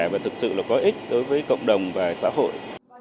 và thực sự là có ích đối với cộng đồng và xã hội